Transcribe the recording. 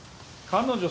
彼女？